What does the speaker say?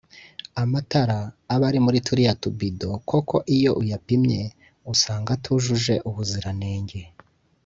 Amata aba ari muri turiya tubido koko iyo uyapimye usanga atujuje ubuziranenge